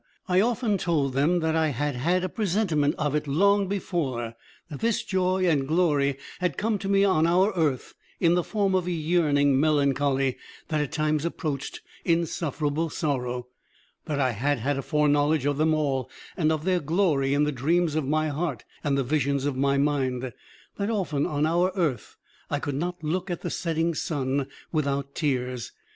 I often told them that I had had a presentiment of it long before, that this joy and glory had come to me on our earth in the form of a yearning melancholy that at times approached insufferable sorrow; that I had had a foreknowledge of them all and of their glory in the dreams of my heart and the visions of my mind; that often on our earth I could not look at the setting sun without tears